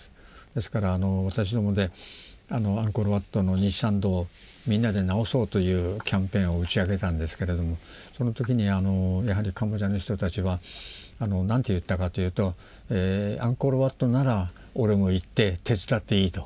ですから私どもでアンコール・ワットの西参道をみんなで直そうというキャンペーンを打ち上げたんですけれどもその時にあのやはりカンボジアの人たちは何て言ったかというと「アンコール・ワットなら俺も行って手伝っていい」と。